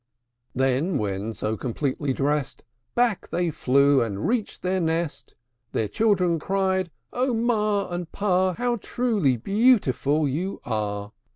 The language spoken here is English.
VII. Then, when so completely dressed, Back they flew, and reached their nest. Their children cried, "O ma and pa! How truly beautiful you are!"